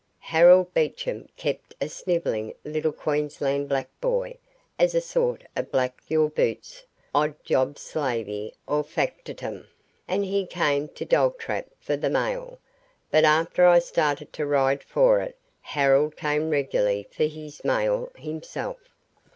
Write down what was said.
Harold Beecham kept a snivelling little Queensland black boy as a sort of black your boots, odd jobs slavey or factotum, and he came to Dogtrap for the mail, but after I started to ride for it Harold came regularly for his mail himself.